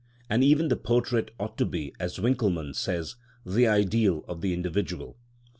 And even the portrait ought to be, as Winckelmann says, the ideal of the individual.